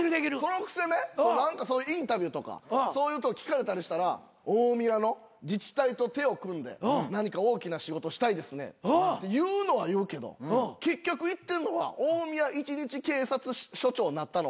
そのくせねインタビューとかそういう聞かれたりしたら大宮の自治体と手を組んで何か大きな仕事したいですねって言うのは言うけど結局いってんのは大宮一日警察署長になったのはタモンズなんです。